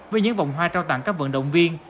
với những vòng hoa trao tặng các vận động viên